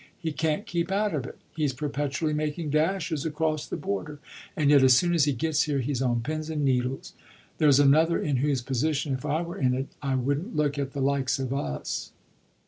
He can't keep out of it, he's perpetually making dashes across the border, and yet as soon as he gets here he's on pins and needles. There's another in whose position if I were in it I wouldn't look at the likes of us!"